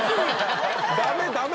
ダメダメ！